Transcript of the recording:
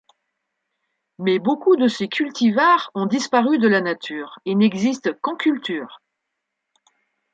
Mais beaucoup de ces cultivars ont disparu de la nature et n'existent qu'en culture.